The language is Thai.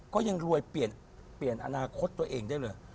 ก็ยังรวยเปลี่ยนอนาคตตัวเองได้เลย